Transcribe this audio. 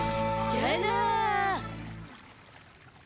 じゃあな！